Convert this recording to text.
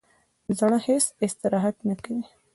زړه هیڅ استراحت نه کوي